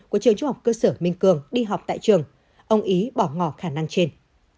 của trường trung học cơ sở minh cường đi học tại trường ông ý bỏ ngỏ khả năng trên